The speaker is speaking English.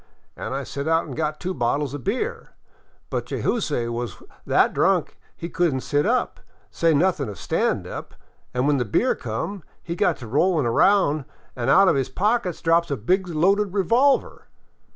An' I sent out an' got two bottles of beer. But Jayzoose was that drunk he could n't sit up, say nothin' of stand up, an' when the beer come he got to roUin' around an' out of his pocket drops a big loaded revolver.